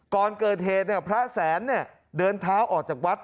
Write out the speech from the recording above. ก่อนเกิดเหตุเนี่ยพระแสนเนี่ยเดินเท้าออกจากวัด